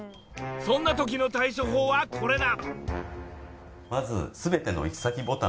そんな時の対処法はこれだ！